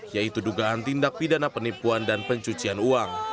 yaitu dugaan tindak pidana penipuan dan pencucian uang